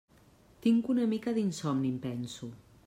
Tinc una mica d'insomni, em penso.